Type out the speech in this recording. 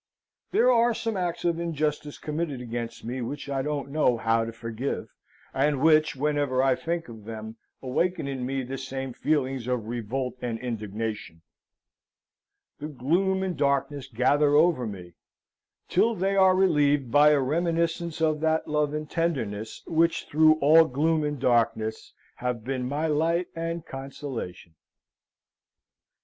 There are some acts of injustice committed against me which I don't know how to forgive; and which, whenever I think of them, awaken in me the same feelings of revolt and indignation. The gloom and darkness gather over me till they are relieved by a reminiscence of that love and tenderness which through all gloom and darkness have been my light and consolation.